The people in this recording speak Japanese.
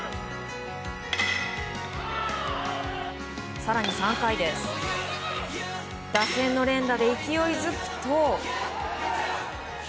更に３回打線の連打で勢いづくと。